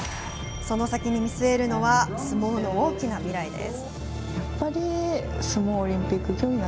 その先に見据えるのは、相撲の大きな未来です。